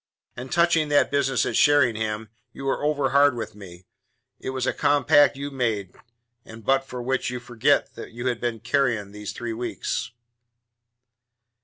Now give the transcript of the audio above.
And touching that business at Sheringham you are over hard with me. It was a compact you made, and but for which, you forget that you had been carrion these three weeks."